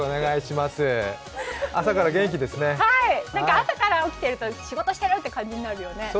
朝から起きてると仕事してるって感じになるよね。